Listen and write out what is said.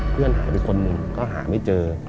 เพื่อนหายไปคนหนึ่งก็หาไม่เจอ